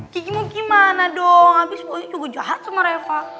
jadi mau gimana dong abis boy juga jahat sama reva